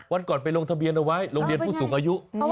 วันก่อนไปลงทะเบียนเอาไว้โรงเรียนผู้สูงอายุ